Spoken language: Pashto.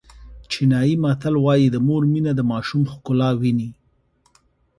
چینایي متل وایي د مور مینه د ماشوم ښکلا ویني.